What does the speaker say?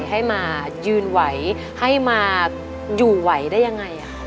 ให้มายืนไหวให้มาอยู่ไหวได้ยังไง